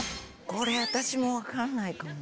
これ私も分かんないかも。